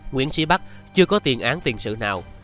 nguyễn sĩ bắc chưa có tiền án tiền sự nào